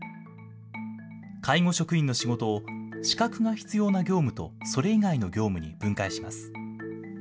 介護職員の仕事を、資格が必要な業務とそれ以外の業務に分解します。